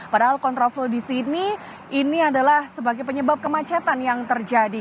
padahal kontraflow di sini ini adalah sebagai penyebab kemacetan yang terjadi